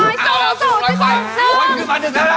สี่โคน้อยสิร์ชนะแม่ร้อยสุพสิร์ชนะแม่ร้อยสุพ